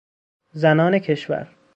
زنان کشور